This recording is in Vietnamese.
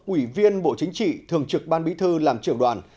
ủy viên bộ chính trị thường trực ban bí thư làm trưởng đoàn